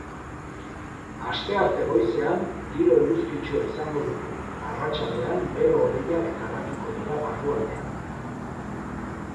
Astearte goizean giro eguzkitsua izango dugu eta arratsaldean bero-hodeiak garatuko dira barrualdean.